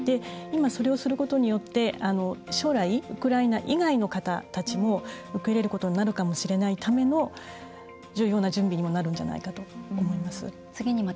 今、それをすることによって将来、ウクライナ以外の方たちも受け入れるかもしれない重要な準備にもなるんじゃないかと思います。